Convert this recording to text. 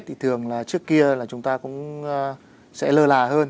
thì thường là trước kia là chúng ta cũng sẽ lơ là hơn